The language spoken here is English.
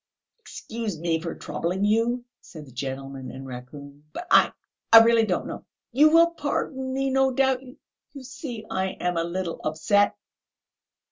"Excuse me for troubling you," said the gentleman in raccoon, "but I ... I really don't know ... you will pardon me, no doubt; you see, I am a little upset...."